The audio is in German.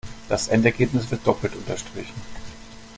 Das Endergebnis wird doppelt unterstrichen.